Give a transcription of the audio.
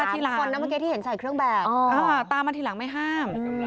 ตามมาทีหลังตามมาทีหลังไม่ห้าม